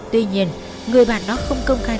tuy nhiên người bạn đó không công khai